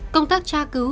công tác tra cứu